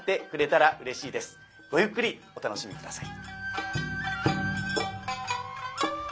ごゆっくりお楽しみ下さい。